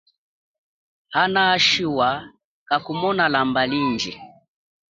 Ana ashiwa kakumona lamba lindji.